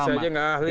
saya aja nggak ahli